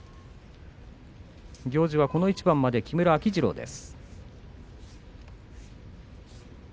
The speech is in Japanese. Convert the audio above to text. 行司はこの一番まで木村秋治郎です。